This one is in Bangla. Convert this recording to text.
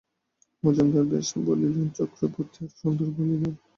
মজুমদার বেশ বলিলেন, চক্রবর্তী আরও সুন্দর বলিলেন।